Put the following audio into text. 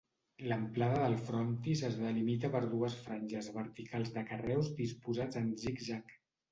L'amplada del frontis es delimita per dues franges verticals de carreus disposats en zig-zag.